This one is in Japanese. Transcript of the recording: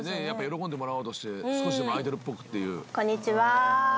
喜んでもらおうとして少しでもアイドルっぽくっていう。